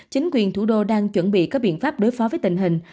chính quyền thủ đô đang chuẩn bị các biện pháp đối phó với tình hình